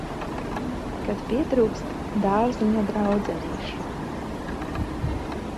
Kad pietrūkst dārziņa draudzenīšu.